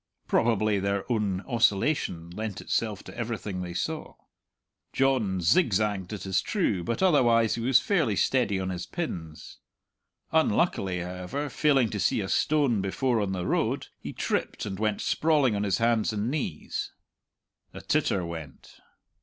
Probably their own oscillation lent itself to everything they saw. John zigzagged, it is true, but otherwise he was fairly steady on his pins. Unluckily, however, failing to see a stone before on the road, he tripped, and went sprawling on his hands and knees. A titter went.